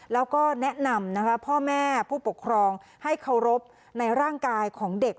แล้วก็แนะนำนะคะพ่อแม่ผู้ปกครองให้เคารพในร่างกายของเด็ก